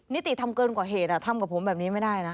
นิติทำเกินกว่าเหตุทำกับผมแบบนี้ไม่ได้นะ